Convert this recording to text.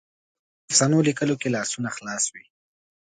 د افسانو لیکلو کې لاسونه خلاص وي.